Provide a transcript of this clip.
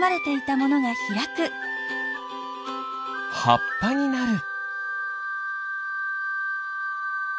はっぱになる。